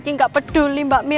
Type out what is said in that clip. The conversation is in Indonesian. banget buat kiki